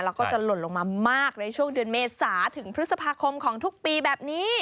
แล้วก็จะหล่นลงมามากในช่วงเดือนเมษาถึงพฤษภาคมของทุกปีแบบนี้